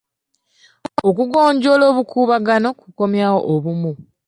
Okugonjoola obukuubagano kukomyawo obumu.